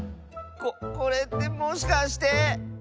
ここれってもしかして。